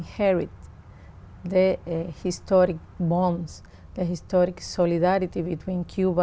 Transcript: fidel castro và ho chi minh